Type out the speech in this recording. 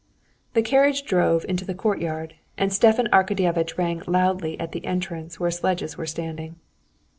The carriage drove into the courtyard, and Stepan Arkadyevitch rang loudly at the entrance where sledges were standing.